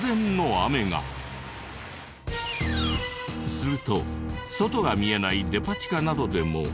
すると外が見えないデパ地下などでも。